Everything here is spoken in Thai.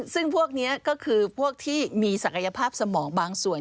ซึ่งพวกนี้ก็คือพวกที่มีศักยภาพสมองบางส่วน